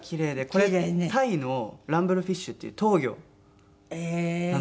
これタイのランブルフィッシュっていう闘魚なんですよ。